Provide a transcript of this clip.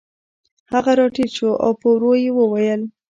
هغه راټیټ شو او په ورو یې وویل